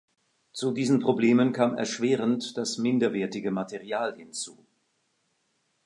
Zu diesen Problemen kam erschwerend das minderwertige Material hinzu.